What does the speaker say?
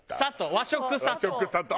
和食さと。